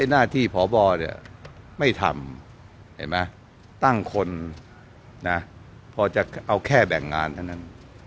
น่าที่พบไม่ทำตั้งคนพอแค่แบ่งงานเท่านั้น